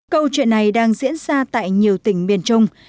câu chuyện này đang diễn ra tại nhiều tỉnh miền trung